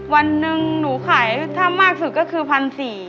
วันหนึ่งหนูขายถ้ามากสุดก็คือ๑๔๐๐บาท